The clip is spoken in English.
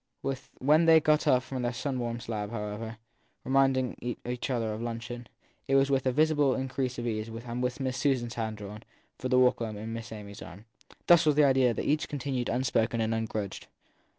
When they got up from their sun warmed slab, however, reminding each other of luncheon, it was with a visible increase of ease and with Miss Susan s hand drawn, for the walk home, into Miss Amy s arm. Thus the ; idea of each had continued unspoken and ungrudged.